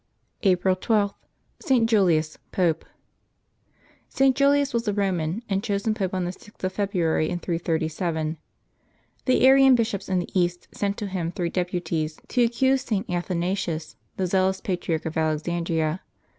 April 12.— ST. JULIUS, Pope. [t. Julius was a Eoman, and chosen Pope on the 6th of February in 337. The Arian bishops in the East sent to him three deputies to accuse St. Athanasius, the zealous Patriarch of Alexandria.